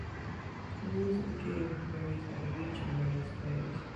The rules of the game varies by the region where it is played.